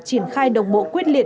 triển khai đồng bộ quyết liệt